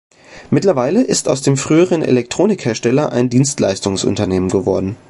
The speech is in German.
Mittlerweile ist aus dem früheren Elektronikhersteller ein Dienstleistungsunternehmen geworden.